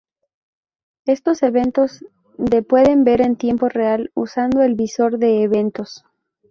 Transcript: Estos eventos de pueden ver en tiempo real usando el Visor de Eventos.